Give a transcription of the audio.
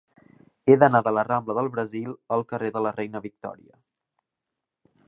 He d'anar de la rambla del Brasil al carrer de la Reina Victòria.